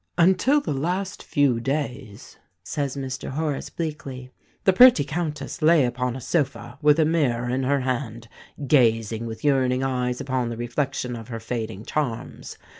"Until the last few days," says Mr Horace Bleackley, "the pretty Countess lay upon a sofa, with a mirror in her hand, gazing with yearning eyes upon the reflection of her fading charms.